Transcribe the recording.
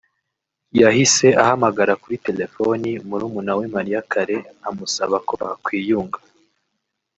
yahise ahamagara kuri telefoni murumuna we Mariah Carey amusaba ko bakwiyunga